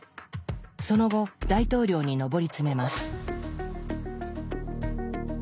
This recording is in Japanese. その後大統領に上り詰めます。